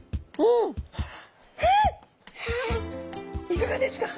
いかがですか？